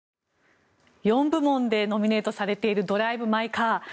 ４部門でノミネートされている「ドライブ・マイ・カー」。